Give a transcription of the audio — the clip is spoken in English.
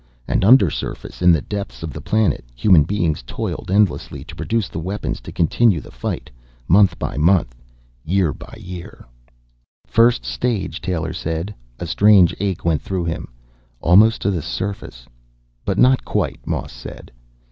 And undersurface, in the depths of the planet, human beings toiled endlessly to produce the weapons to continue the fight, month by month, year by year. "First stage," Taylor said. A strange ache went through him. "Almost to the surface." "But not quite," Moss said.